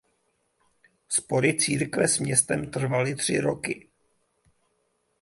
Spory církve s městem trvaly tři roky.